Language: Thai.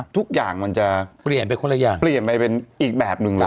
ทุกอย่างมันจะเปลี่ยนไปเป็นอีกแบบหนึ่งเลย